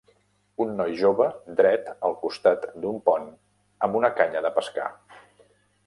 Un noi jove dret al costat d'un pont amb una canya de pescar.